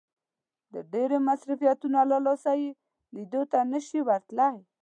د ډېرو مصروفيتونو له لاسه يې ليدو ته نه شي ورتلای.